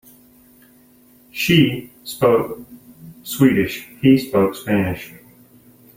She spoke Swedish, he spoke Spanish.